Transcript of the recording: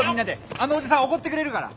あのおじさんおごってくれるから。